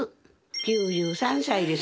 ９３歳です。